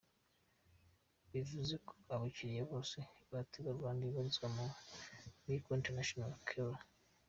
Bivuze ko abakiliya bose ba Tigo Rwanda ibarizwa muri Millicom International Cellular S.